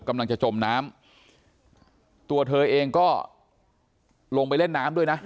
กำลังจะจมน้ำตัวเธอเองก็ลงไปเล่นน้ำด้วยนะ